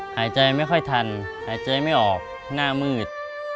หายใจไม่ค่อยทันหายใจไม่ออกหน้ามืด